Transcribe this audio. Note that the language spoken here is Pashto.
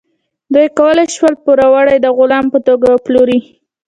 دوی کولی شول پوروړی د غلام په توګه وپلوري.